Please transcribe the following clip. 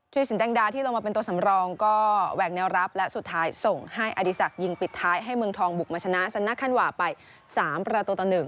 สินแดงดาที่ลงมาเป็นตัวสำรองก็แหวกแนวรับและสุดท้ายส่งให้อดีศักดิ์ยิงปิดท้ายให้เมืองทองบุกมาชนะซันนาคันวาไป๓ประตูต่อ๑